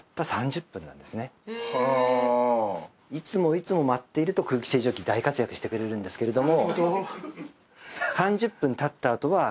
いつも舞っていると空気清浄機大活躍してくれるんですけども。